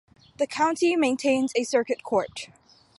The county maintains a circuit court.